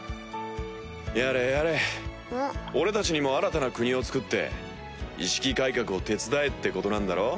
やれやれ俺たちにも新たな国をつくって意識改革を手伝えってことなんだろ？